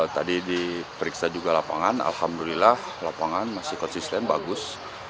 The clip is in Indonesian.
tadi diperiksa juga lapangan alhamdulillah lapangan masih konsisten bagus